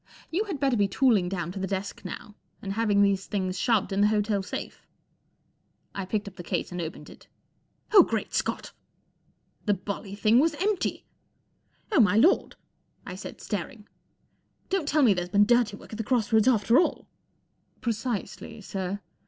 You had better be tooling down to the desk now and having these things shoved in the hotel safe/' I picked up the case and opened it. " Oh, Great Scot ! 11 The bally thing was empty !" Oh T my Lord !" I said, staring, ' dont tell me there's been dirty work at the cross¬ roads after all I "" Precisely, sir.